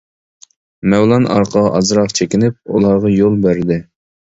مەۋلان ئارقىغا ئازراق چېكىنىپ، ئۇلارغا يول بەردى.